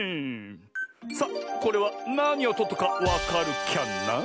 さあこれはなにをとったかわかるキャな？